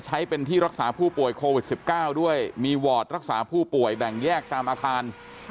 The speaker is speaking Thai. ใช้เป็นที่รักษาผู้ป่วยโควิด๑๙ด้วยมีวอร์ดรักษาผู้ป่วยแบ่งแยกตามอาคาร